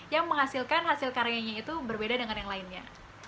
yang menghasilkan hasil karyanya itu berbeda dengan yang lainnya